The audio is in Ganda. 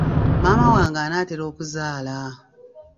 Maama wange anaatera okuzaala.